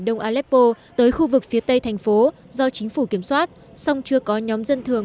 đông aleppo tới khu vực phía tây thành phố do chính phủ kiểm soát song chưa có nhóm dân thường